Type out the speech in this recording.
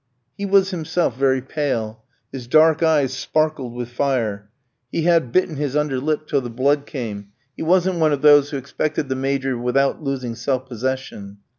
He was himself very pale; his dark eyes sparkled with fire, he had bitten his under lip till the blood came; he wasn't one of those who expected the Major without losing self possession.